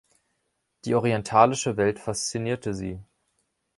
Die orientalische Welt faszinierte sie.